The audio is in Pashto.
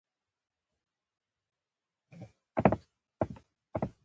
لعل د افغان کلتور سره تړاو لري.